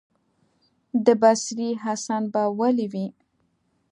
د بصرې حسن به ولي وي،